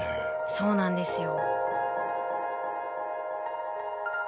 そうなんですよ。